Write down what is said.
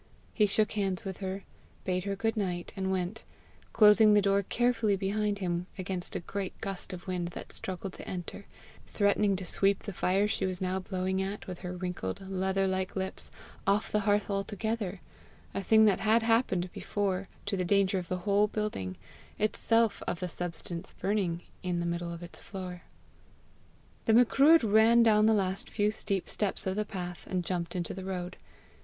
He shook hands with her, bade her good night, and went, closing the door carefully behind him against a great gust of wind that struggled to enter, threatening to sweep the fire she was now blowing at with her wrinkled, leather like lips, off the hearth altogether a thing that had happened before, to the danger of the whole building, itself of the substance burning in the middle of its floor. The Macruadh ran down the last few steep steps of the path, and jumped into the road.